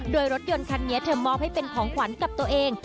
โดยรถยนต์คันนี้เธอมอบให้เป็นของขวัญกับตัวเอง